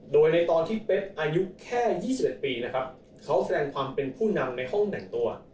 โดยในตอนที่เป๊กอายุแค่๒๑ปีนะครับเขาแสดงความเป็นผู้นำในห้องแต่งตัว